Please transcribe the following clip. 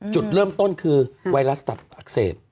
จุดเริ่มต้นคือไวรัสตับอักเสบ